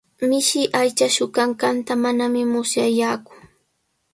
Mishi aycha suqanqanta manami musyayaaku.